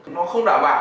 nó không đảm bảo